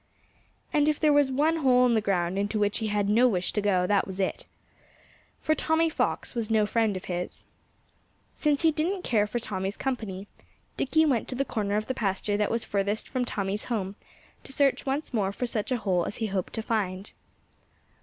And if there was one hole in the ground into which he had no wish to go, that was it. For Tommy Fox was no friend of his. Since he didn't care for Tommy's company, Dickie went to the corner of the pasture that was furthest from Tommy's home, to search once more for such a hole as he hoped to find.